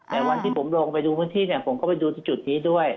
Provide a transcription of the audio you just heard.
แต่วันที่ผมลงไปดูพื้นที่เนี่ยผมก็ไปดูที่จุดนี้ด้วย